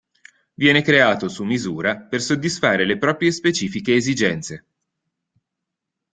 Viene creato su misura per soddisfare le proprie specifiche esigenze.